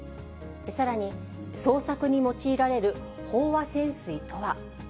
さらに、捜索に用いられる飽和潜水とは。